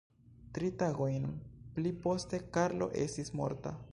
Tri tagojn pli poste Karlo estis morta.